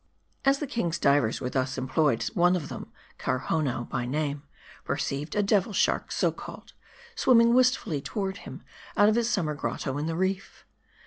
. As the king's divers were thus employed, one of them, Karhownoo by name, perceived a Devil shark, so called, swimming wistfully toward him from out his summer grotto in the reef.